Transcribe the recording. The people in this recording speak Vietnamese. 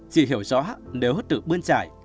chị hiểu rõ nếu hứa tự bươn trải